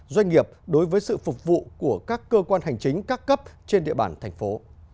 doanh nghiệp đối với sự phục vụ của các cơ quan hành chính các cấp trên địa bàn thành phố